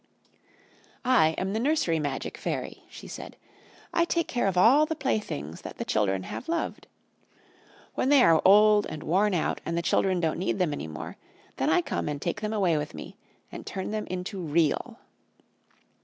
"I am the nursery magic Fairy," she said. "I take care of all the playthings that the children have loved. When they are old and worn out and the children don't need them any more, then I come and take them away with me and turn them into Real."